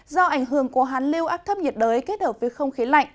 do ảnh hưởng của hàn lưu áp thấp nhiệt đới kết hợp với không khí lạnh